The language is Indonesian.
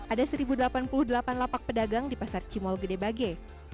ada satu delapan puluh delapan lapak pedagang di pasar cimol gede bage